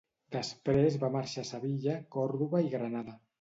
Després va marxar a Sevilla, Còrdova i Granada.